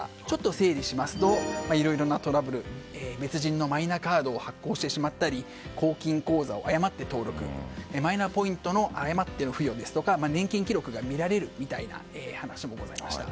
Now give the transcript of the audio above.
整理しますと別人のマイナカードを発行してしまったり公金口座を誤って登録マイナポイントの誤っての付与や年金記録がみられるなどの話もございました。